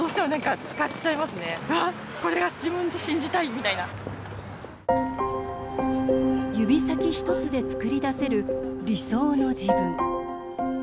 きれいに写るんで指先一つで作り出せる理想の自分。